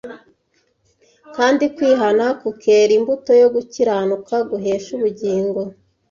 kandi kwihana kukera imbuto yo gukiranuka guhesha ubugingo